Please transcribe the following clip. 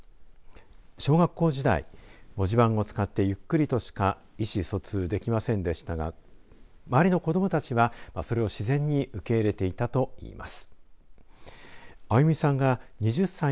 小学校時代文字盤を使ってゆっくりとしか意思疎通ができませんでしたが周りの子どもたちはそれを自然に受け入れていたといいます。